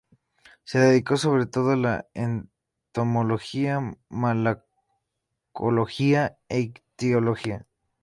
Se dedicó sobre todo a la entomología, malacología e ictiología.